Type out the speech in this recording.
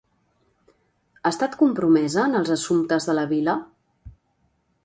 Ha estat compromesa en els assumptes de la vila?